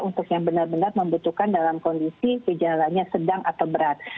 untuk yang benar benar membutuhkan dalam kondisi gejalanya sedang atau berat